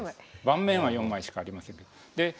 盤面は４枚しかありませんけど。